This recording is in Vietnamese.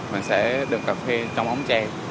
mình sẽ đựng cà phê trong ống tre